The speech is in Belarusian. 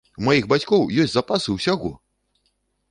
У маіх бацькоў ёсць запасы ўсяго!